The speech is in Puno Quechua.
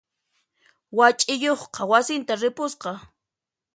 Wach'iyuqqa wasinta ripusqa.